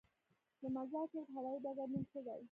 د مزار شریف هوايي ډګر نوم څه دی؟